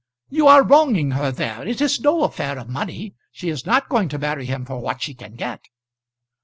"You are wronging her there. It is no affair of money. She is not going to marry him for what she can get."